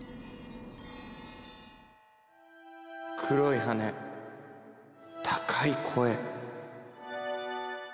黒い羽根高い声。